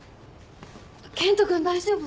健人君大丈夫？